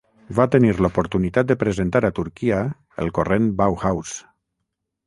Va tenir l’oportunitat de presentar a Turquia el corrent Bauhaus.